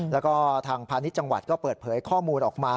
แล้วก็ทางพาณิชย์จังหวัดก็เปิดเผยข้อมูลออกมา